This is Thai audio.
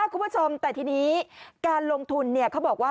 คุณผู้ชมแต่ทีนี้การลงทุนเขาบอกว่า